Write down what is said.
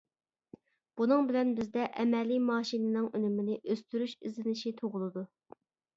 بۇنىڭ بىلەن بىزدە ئەمەلىي ماشىنىنىڭ ئۈنۈمىنى ئۆستۈرۈش ئىزدىنىشى تۇغۇلىدۇ.